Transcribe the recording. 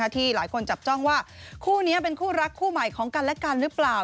ที่หลายคนจับจ้องว่าคู่นี้เป็นคู่รักคู่ใหม่ของกันและกันหรือเปล่า